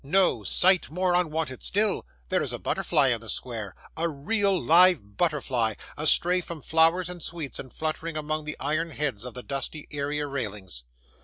No; sight more unwonted still there is a butterfly in the square a real, live butterfly! astray from flowers and sweets, and fluttering among the iron heads of the dusty area railings.